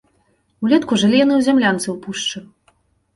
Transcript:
Улетку жылі яны ў зямлянцы ў пушчы.